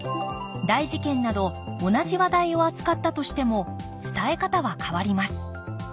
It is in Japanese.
大事件など同じ話題を扱ったとしても伝え方は変わります